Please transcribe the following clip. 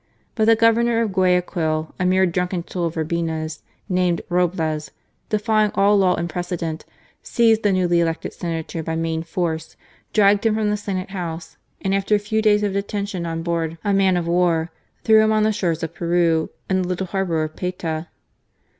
But the Governor of Guayaquil, a mere drunken tool of Urbina's, named Roblez, defying all law and precedent, seized the newly elected senator by main force, dragged him from the senate house, and after a few days of detention on board a man of war threw him on the shores of Peru in the little harbour of Payta.